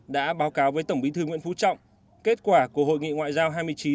đã báo cáo với tổng bí thư nguyễn phú trọng kết quả của hội nghị ngoại giao hai mươi chín